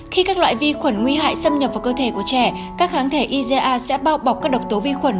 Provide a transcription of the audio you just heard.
khi các loại vi khuẩn nguy hại xâm nhập vào cơ thể của trẻ các kháng thể iga sẽ bao bọc các độc tố vi khuẩn